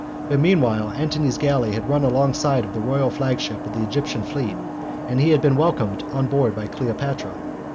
But meanwhile Antony's galley had run alongside of the royal flagship of the Egyptian fleet, and he had been welcomed on board by Cleopatra.